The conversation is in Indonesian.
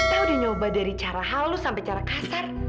saya udah nyoba dari cara halus sampai cara kasar